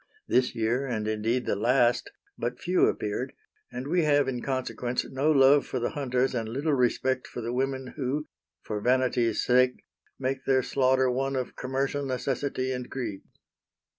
This year, and indeed the last, but few appeared, and we have in consequence no love for the hunters and little respect for the women who, for vanity's sake, make their slaughter one of commercial necessity and greed."